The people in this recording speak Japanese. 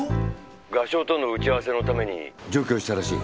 「画商との打ち合わせのために上京したらしい」